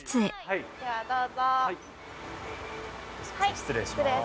失礼します。